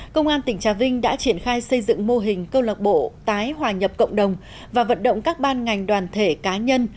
công an tỉnh trà vinh đã triển khai xây dựng mô hình câu lạc bộ tái hòa nhập cộng đồng và vận động các ban ngành đoàn thể cá nhân